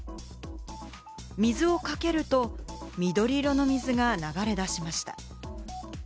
水をかけると、緑色の水が流れ出しました。